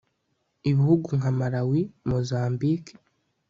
ibihugu nka malawi, mozambique